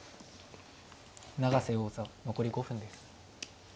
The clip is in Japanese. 永瀬王座残り５分です。